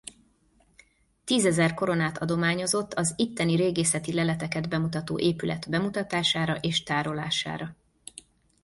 Tízezer koronát adományozott az itteni régészeti leleteket bemutató épület bemutatására és tárolására.